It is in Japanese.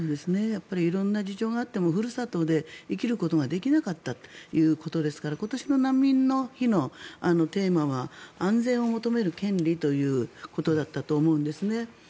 やっぱり色々な事情があってもふるさとで生きることができなかったということですから今年の難民の日のテーマは安全を求める権利ということだったと思うんですね。